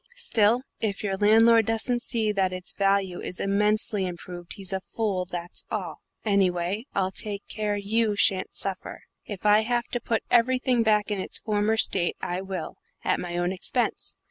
Still, if your landlord doesn't see that its value is immensely improved, he's a fool, that's all. Anyway, I'll take care you shan't suffer. If I have to put everything back in its former state, I will, at my own expense.